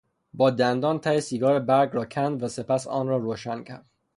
با دندان ته سیگار برگ را کند و سپس آن را روشن کرد.